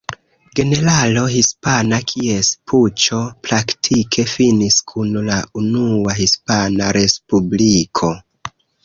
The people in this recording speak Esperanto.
Generalo hispana kies puĉo praktike finis kun la Unua Hispana Respubliko.